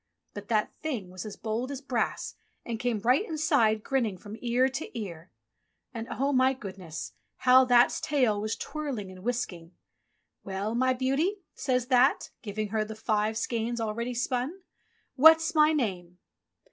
But That thing was as bold as brass and came right inside, grinning from ear to ear. And oh, my goodness ! how That's tail was twirling and whisking ! ''Well, my beauty," says That, giving her the five skeins all ready spun, "what's my name?"